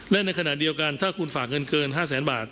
และในขณะเดียวกันถ้าคุณฝากเงินเกิน๕แสนบาท